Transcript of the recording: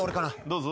どうぞ。